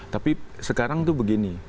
tapi sekarang itu begini